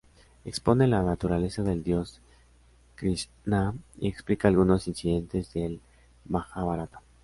Expone la naturaleza del dios Krishná y explica algunos incidentes del Majábharata.